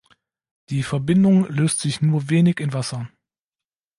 Die Verbindung löst sich nur wenig in Wasser.